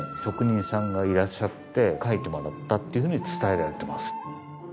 職人さんがいらっしゃって描いてもらったっていうふうに伝えられています。